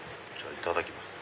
いただきます。